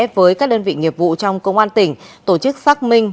với các đơn vị nghiệp vụ trong công an tỉnh tổ chức xác minh